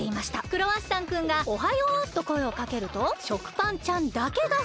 クロワッサンくんが「おはよう」とこえをかけると食パンちゃんだけがふりむきました。